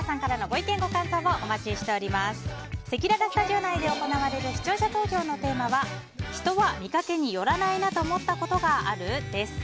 せきららスタジオ内で行われる視聴者投票のテーマは人は見かけによらないなと思ったことがある？です。